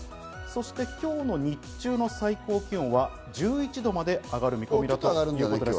そして今日の日中の最高気温は１１度まで上がる見込みということです。